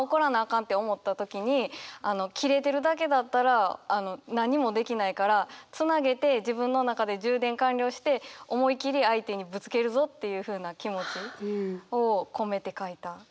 かんって思った時にキレてるだけだったら何もできないからつなげて自分の中で充電完了して思い切り相手にぶつけるぞっていうふうな気持ちを込めて書いた。